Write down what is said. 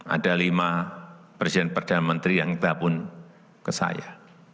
ada lima presiden perdana menteri yang kita pun ke saya